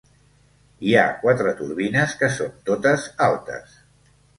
Hi ha quatre turbines que són totes altes.